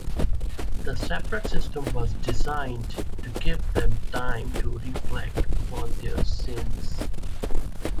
The separate system was designed to give them time to reflect upon their sins.